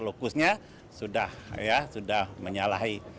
lokusnya sudah menyalahi